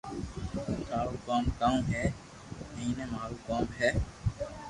ٿارو ڪوم ڪاو ھي ايئي مارو ڪوم ھي